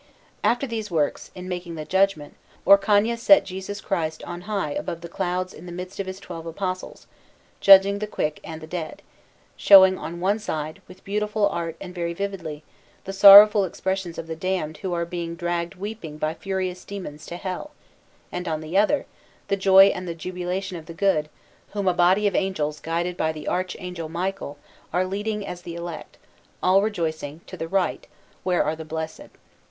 After these works, in making the Judgment, Orcagna set Jesus Christ on high above the clouds in the midst of His twelve Apostles, judging the quick and the dead; showing on one side, with beautiful art and very vividly, the sorrowful expressions of the damned who are being dragged weeping by furious demons to Hell, and, on the other, the joy and the jubilation of the good, whom a body of angels guided by the Archangel Michael are leading as the elect, all rejoicing, to the right, where are the blessed.